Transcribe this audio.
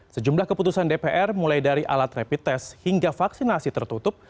sejumlah keputusan dpr mulai dari alat rapid test hingga vaksinasi tertutup